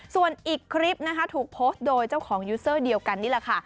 ส่วนอีกคลิปนะคะถูกโพสต์โดยเจ้าของยูเซอร์เดียวกันนี่แหละค่ะ